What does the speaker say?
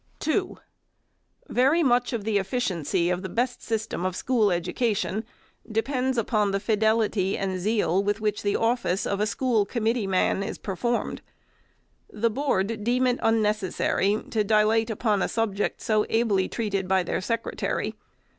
2. Very much of the efficiency of the best system of school education depends upon the fidelity and zeal with which the office of a school committee man is performed. The Board deem it unnecessary to dila.te upon a subject so ably treated by their Secretary.